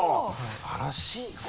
素晴らしいね。